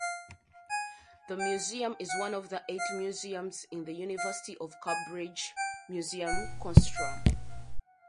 The Museum is one of eight museums in the University of Cambridge Museums consortium.